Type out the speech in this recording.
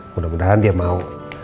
mudah mudahan dia mau